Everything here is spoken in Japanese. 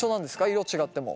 色違っても。